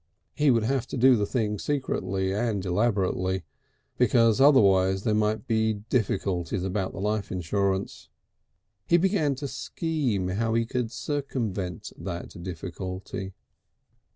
He would have to do the thing secretly and elaborately, because otherwise there might be difficulties about the life insurance. He began to scheme how he could circumvent that difficulty....